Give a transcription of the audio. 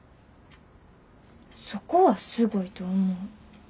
そこはすごいと思う。